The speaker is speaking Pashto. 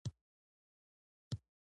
د قوت او پوځي طاقت په باب مبالغې کولې.